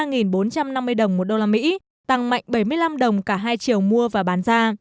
giá đồng đô la mỹ tăng mạnh bảy mươi năm đồng cả hai chiều mua và bán ra